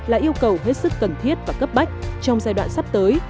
là yêu cầu hết sức cần thiết và cấp bách trong giai đoạn sắp tới